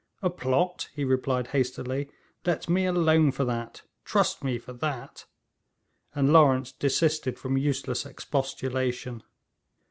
'A plot!' he replied hastily, 'let me alone for that; trust me for that!' and Lawrence desisted from useless expostulation.